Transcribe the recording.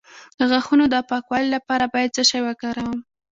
د غاښونو د پاکوالي لپاره باید څه شی وکاروم؟